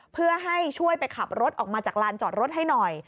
เพื่อให้ช่วยไปขับรถออกมาจากลานจอดรถให้หน่อย